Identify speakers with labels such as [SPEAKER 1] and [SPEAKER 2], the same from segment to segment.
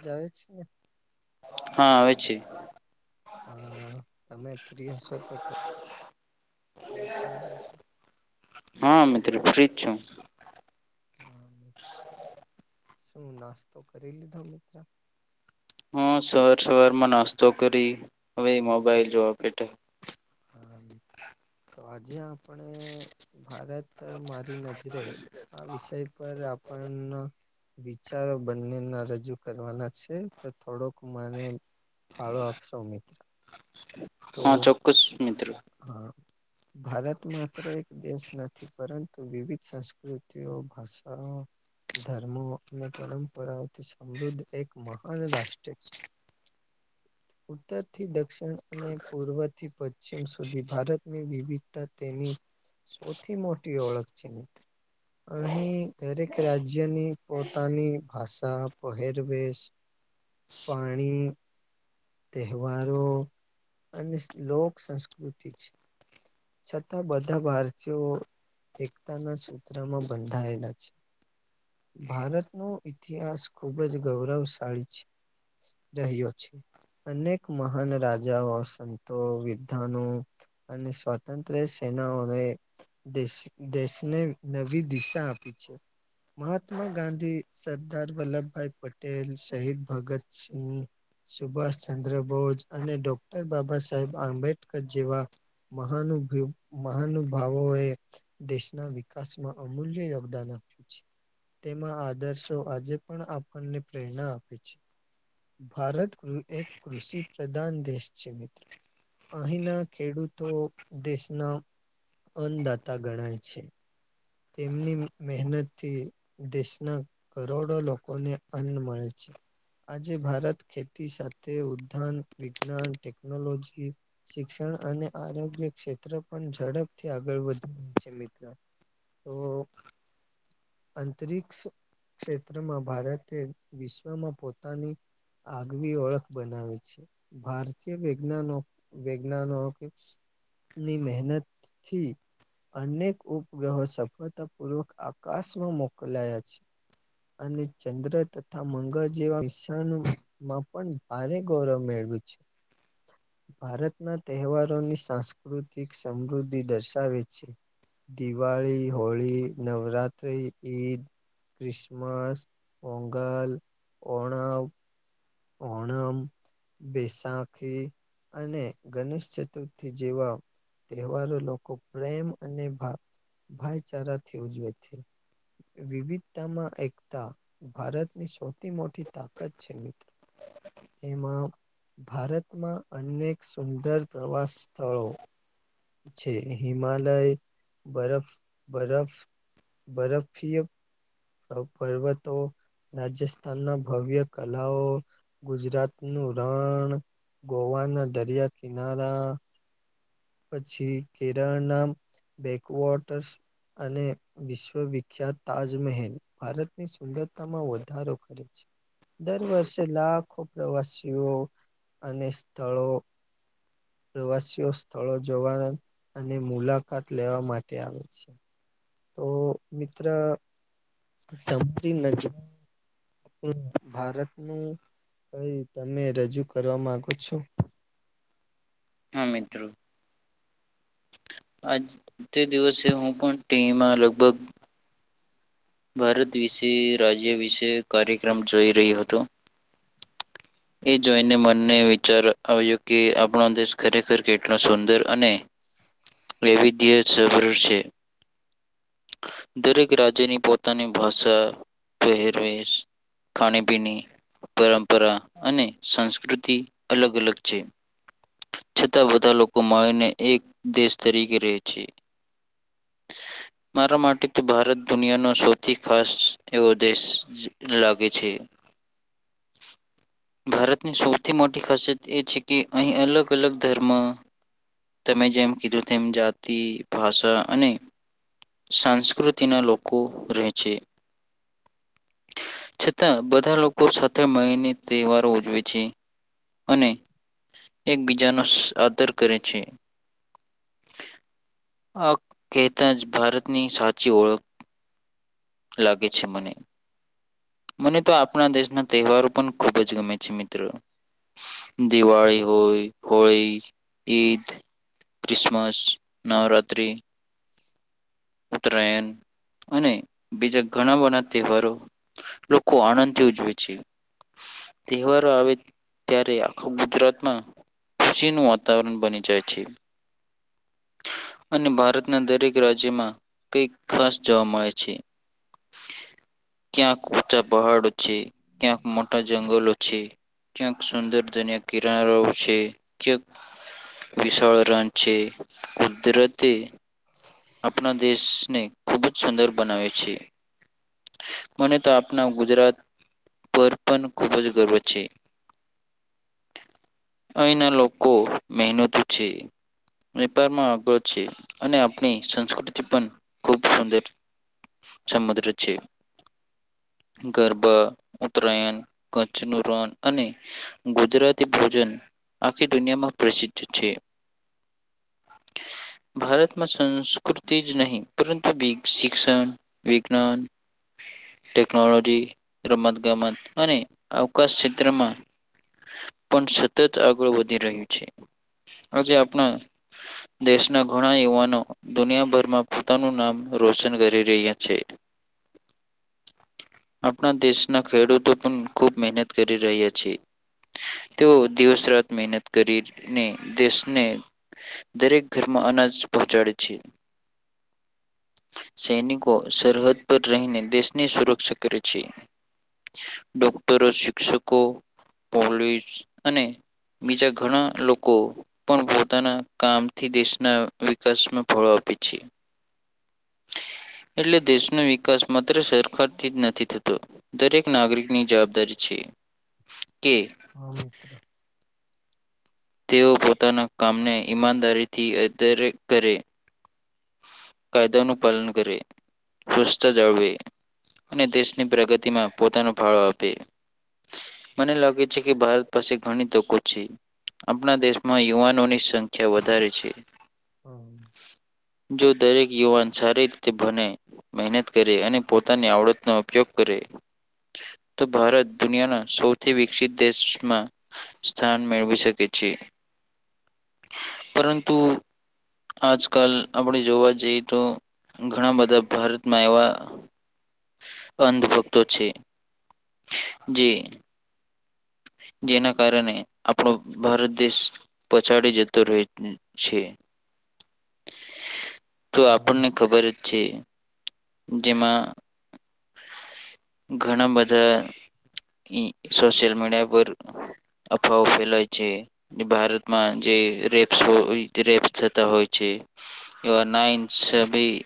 [SPEAKER 1] જવે છે.
[SPEAKER 2] હા આવે છે.
[SPEAKER 1] હા તમે ફ્રી હશો તો થ રા માટે
[SPEAKER 2] હા મિત્ર ફ્ર્રી જ છું.
[SPEAKER 1] હા મ શું નાસ્તો કરી લીધો મિત્ર
[SPEAKER 2] હા સવાર સવારમાં નાસ્તો કરી હવે મોબાઈલ જોવા બેટા
[SPEAKER 1] હા તો આજે આપણે ભારત મારી નજ જરે આ વિષય પર આપણ વિચારો બંને ના રજૂ કરવાના છે તો થોડોક મારે ફાળો આપશો મિત્ર. તો
[SPEAKER 2] હા ચોક્કસ મિત્ર
[SPEAKER 1] હા. ભારત માત્ર એક દેશ નથી પરંતુ વિવિધ સંસ્કૃતિઓ ભાષાઓ ધર્મો અને પરંપરાઓથી સમૃદ્ધ એક મહાન રાષ્ટ્ર ઉત્તરથી દક્ષિણ અને પૂર્વથી પશ્ચિમ સુ સુધી ભારતની વિવિધતા તેની સૌથી મોટી ઓળખ છે મિત્ર. અહીં દરેક રાજ્યની પોતાની ભાષા પહેરવેશ પાણી તહેવારો અને લોક સંસ્કૃતિ છે. છતાં બધા ભારતીયો એકતાના સૂત્રમાં બંધાવેલા છે. ભારતનો ઇતિહાસ ખુબ જ ગૌરવશાળી છે. રહી્યો છે. અનેક મહાન રાજાઓ સંતો વિધાનો. અને સ્વતંત્ર્ય સેનાઓને દેશ દેશને નવી દિશા આપી છે. મહાત્મા ગાંધી સરદાર વલ્લભભાઈ પટેલ શહીદ ભગત સિંહ. સુભાષચંદ્ર બોઝ અને ડોક્ટર બાબ સાહેબ આંબેડકર જેવા મહાનુભ મહાનુભાવોએ દેશના વિકાસમાં અમૂલ્ય યોગદાન આપ્યું છે. તેમાં આદર્શો આજે પણ આપણને પ્રેરણા આપે છે. ભારત એક કૃષિ પ્રધાન દેશ છે મિત્ર. અહીંના ખેડૂતો દેશના. અન્નદાતા ગણાય છે, તેમની મહેનતથી દેશના કરોડો લોકોને અન્ન મળે છે. આજે ભારત ખેતી સાથે ઉદ્યાન વિજ્ઞાન ટેકનોલોજી. શિક્ષણ અને આરોગ્ય ક્ષેત્ર પણ ઝડપથી આગળ વધી રહ્યું છે મિત્ર. તો. અંતરિક્ષ ક્ષેત્રમાં ભારતે વિશ્વમાં પોતાની આગવી ઓળ બનાવે છે, ભારતીય વિજ્ઞનો વૈજ્ઞાનો કે ની મહેનતથી. અનેક ઉપગ્રહો સફળતાપૂર્વક આકાશમાં મોકલાયા છે. અને ચંદ્ર તથા મંગળ જેવા મશણ માં પણ અને અને ગૌરવ મેળવ છે. ભારતના તહેવારોની સાંસ્કૃતિક સમૃદ્ધિ દર્શાવે છે. દિવાળી, હોળી, નવરાત્રિ, ઈદ ક્રિશમાસ, ઓંગલ, ઓણાવ ઓણમ બેસાખી અને ગણેશ ચતુર્થી જેવા તહેવારો લોકો પ્રેમ અને ભાઈચારાથી ઉજવે છે. વિવિધતામાં એકતા ભારતની સૌથી મોટી તાકાત છે મિત્રો. તેમાં ભારતમાં અનેક સુંદર પ્રવાસ સ્થળો છે હિમાલય, બરફ બરફ બરફ ફી અ સ પવે તો રાજસ્થાનના ભવ્ય કલાઓ, ગુજરાતનું રણ ગોવાના દરિયા કિનારા પછી કેરળ ના બેકવોટર્સ અને વિશ્વવિખ્યાત તાજમહેલ ભારતની સુંદરતામાં વધારો ખરે છે. દર વર્ષે લા આખો પ્રવાસીઓ અને સ્થળો પ્રવાસીઓ સ્થળો જવાન અને મુલાકાત લેવા માટે આવે છે. તો મિત્ર મપતી ન એ ભારત નું કઈ તમે રજૂ કરવા માંગો છો?
[SPEAKER 2] હા મિત્રો. આજ તે દિવસે હું પણ ટીમાં લગભગ ભારત વિશે રાજ્ય વિશે કાર્યક્રમ જોઈ રહ્યો હતો. એ જોઈને મનને વિચાર આવ્યો કે આપણો દેશ ખરેખર કેટલો સુંદર અને એવી દ સભરૂ છે. દરેક રાજ્યની પોતાની ભાષા, પહેરવીશ ખાણી પીણી, પરંપરા અને સંસ્કૃતિ અલગ અલગ છે. છતાં બધા લોકો મળીને એક દેશ તરીકે રહે છે. [inaudible] મારા માટે તો ભારત દુનિયાનો સૌથી ખાસ એવો દેશ લાગે છે. ભારતની સૌથી મોટી ખાસિયત એ છે કે, અહીં અલગ અલગ ધર્મ-' તમે જેમ કીધું તેમ જાતિ, ભાષા અને સંસ્કૃતિના લોકો રહે છે. છતાં બધા લોકો સાથે મળિને તહેવારો ઉજવે છે અને એકબીજાનો આદર કરે છે. આ કેતા જ ભારતની સાચી ઓળખ લાગે છે. મને મને તો આપણા દેશના તહેવારો પણ ખૂબ જ ગમે છે મિત્ર દિવાળી હોય હોળી, ઈદ, ક્રિસમસ, નવરાત્રી ઉત્તરાયણ અને બીજા ઘણા ઘણાબના તહેવારો લોકો આણંદથી ઉજવે છે. તહેવારો આવે ત્યારે આખા ગુજરાતમાં ખુશીનું વાતાવરણ બની જાય છે. અને ભારતના દરેક રાજ્યમાં કંઈક ખાસ જોવા મળે છે. ક્યાંક ઉચા પહાડો છે, ક્યાંક મોટા જંગલો છે. ક્યાંક સુંદર ધન્યા કિનારો છે ક્યાંક વિશળ રણ છે. કુદરતે આપણા દેશને ખુબ જ સુંદર બનાવે છે. મને તો આપણા ગુજરાત પર પન ખૂબ જ ગર્વ છે. અહીંના લોકો મહેનત છે. વેપારમાં અગ્ર છે અને આ ની સંસ્કૃતિ પણ ખૂબ સુંદર સમુદ્ર છે. ગરબા, ઉતરાયણ, કચ્છનું રણ અને ગુજરાતી ભોજન આખી દુનિયામાં પ્રસિદ્ધ છે. ભારત! માં સંસ્કૃતિ જ નહીં પરંતુ બિગ શિક્ષણ વિજ્ઞાન ટેકનોલોજી રમત ગમત અને અવકાશ ક્ષેત્રમાં પણ સતત આગળ વધી રહ્યું છે. આજે આપણા દેશના ઘણા યુવાન દુનિયાભરમાં પોતાનું નામ રોશન કરી રહ્યા છે. આપણા દેશના ખેડૂતો પણ ખૂબ મહેનત કરી રહ્યા છે. તેઓ દિવસ રાત મહેનત કરીને દેશને દરેક ઘરમાં અનાજ પહોંચાડે છે. સૈનિકો સરહદ પર રહીને દેશની સુરક્ષા કરે છે. ડોક્ટરો, શિક્ષકો, પોલીસ અને બીજા ઘણા લોકો પણ પોતાના કામથી દેશના-' વિકાસમાં ફળો આપે છે. એટલે દેશનો વિકાસ માત્ર સરકારથી જ નથી થતો દરેક નાગરિક ની જવાબદારી છે કે
[SPEAKER 1] હા મિત્ર.
[SPEAKER 2] તેઓ પોતાના કામને ઈમાનદારીથી અરે કરે. કાયદા નું પાલન કરે સ્વાસ્થ્ય જાળવે. અને દેશની પ્રગતિમાં પોતાનો ફાળો આપે. મને લાગે છે કે ભારત પાસે ઘણી તકો છે. આપણા દેશમાં યુવાનોની સંખ્યા વધારે છે.
[SPEAKER 1] હા.
[SPEAKER 2] જો દરેક યુવાન સારી રીતે ભણે મહેનત કરે અને પોતાની આવડતનો ઉપયોગ કરે તો ભારત દુનિયાના સૌથી વિકસિત દેશમાં સ્થાન મેળવી શક કે છે. પરંતુ આજકાલ આપણે જોવા જઈએ તો ઘણા બધા ભારતમાં એવા અંધભુક્ત છે. જી જેના કારણે આપણો ભારત દેશ પછાડી જતો રહે છે. તો
[SPEAKER 1] હા
[SPEAKER 2] આપણને
[SPEAKER 1] મિત્ર
[SPEAKER 2] ખબર જ છે. જેમાં ઘણા બધા સોશિયલ મીડિયા પર અભાવ ફેલાય છે. ભારતમાં જે રેપ્સ રેપ્સ થતા હોય છે. એવા નાઇન્થ સ ભી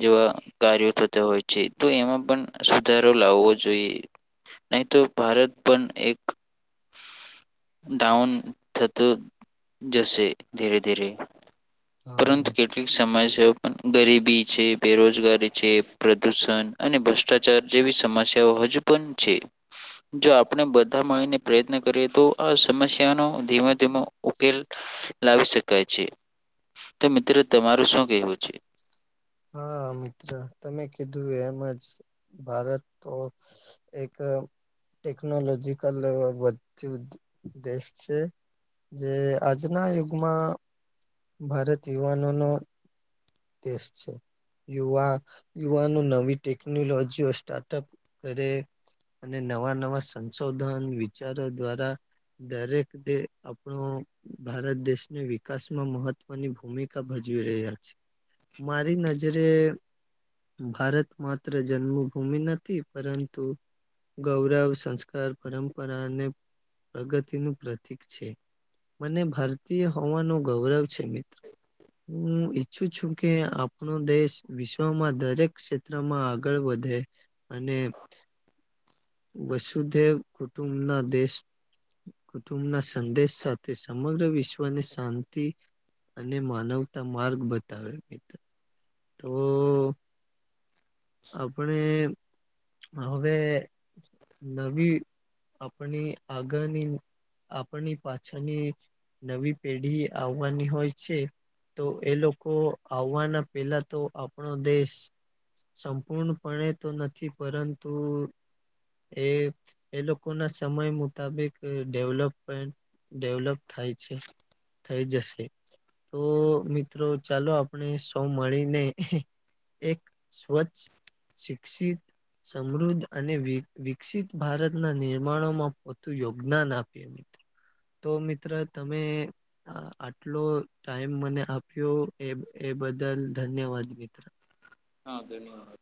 [SPEAKER 2] જેવા કાર્યો થતા હોય છે તો એમાં પણ વધારો લાવવો જોઈએ નહી તો ભારત પણ એક ડાઉન થતો જશે ધીરે ધીરે.
[SPEAKER 1] હા
[SPEAKER 2] પરંતુ
[SPEAKER 1] મિત્ર
[SPEAKER 2] કેટલીક સમાજ પણ ગરીબી છે, બેરોજગારી છે. પ્રદુષણ અને ભસ્ટ ભ્રષ્ટાચાર જેવી સમસ્યાઓ હજુ પણ છે. જો આપણે બધા મળીને પ્રયત્ન કરીએ તો આ સમસ્યાનો ધીમે ધીમો ઉકેલ લાવી શકાય છે. તો મિત્રો તમારું શું કહેવું છે?
[SPEAKER 1] હા મિત્ર તમે કીધું એમજ. ભારત તો એક ટેકનોલોજીકલ એ વધ્યું દેશ છે. જે આજના યુગમાં ભારત યુવાનોનો દેશ છે. યુવા યુવાનો નવી ટેકનોલોજીઓ સ્ટાર્ટઅપ કરે. અને નવા નવા સંશોધન વિચારો દ્વારા દરેક તે આપણો ભારત દેશને વિકાસમાં મહત્વની ભૂમિકા ભજવી રહ્યા છે. મારી નજરે ભારત માત્ર જન્મભૂમિ નથી પરંતુ ગૌરવ સંસ્કાર પરંપરા અને પ્રગતિનું પ્રતીક છે. મને ભારતીય હોવાનું ગૌરવ છે મિત્ર, હું ઈચ્છું છું. કે આપણો દેશ વિશ્વમાં દરેક ક્ષેત્રમાં આગળ વધે. અને વસુધેવ કુટુંબના દેશ કુટુંબના સંદેશ સાથે સમગ્ર વિશ્વને શાંતિ અને માનવતા માર્ગ બતાવે મિત્ર, તો આપણે હવે નવી આપણી આગળની આપની પાછળની નવી પેઢી આવવાની હોય છે. તો એ લોકો આવવાના પેલા તો આપણો દેશ સંપૂર્ણપણે તો નથી પરંતુ એ એ લોકો ના સમય મુતાબિક ડેવલપમેન્ટ ડેવલોપ થાય છે, થઈ જશે. તો મિત્રો ચાલો આપણે સો મળીને એક સ્વચ્છ, શિક્ષિત સમૃદ્ધ અને વીક વિકસિત ભારતના નિર્માણોમાં પૂતું યોગદાન આપ તે મિત્ર, તો મિત્ર તમે આ આટલો ટાઈમ મને આપ્યો, એ એ બદલ ધન્યવાદ મિત્ર.
[SPEAKER 2] હા ધન્યવાદ.